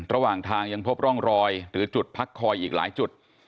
ระหว่างทางยังพบร่องรอยหรือจุดพักคอยอีกหลายจุด